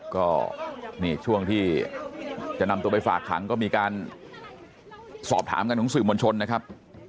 ก็นี่ช่วงที่จะนำตัวไปฝากขังก็มีการสอบถามกันของสื่อมวลชนนะครับ